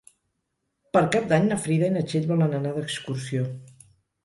Per Cap d'Any na Frida i na Txell volen anar d'excursió.